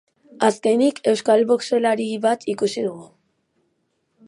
Azkenik, euskal boxeolari bat ikusiko dugu.